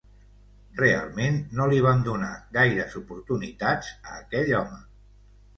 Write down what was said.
Realment, no li vam donar gaires oportunitats a aquell home.